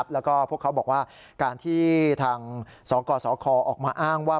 แล้วก็พวกเขาบอกว่าการที่ทางสกสคออกมาอ้างว่า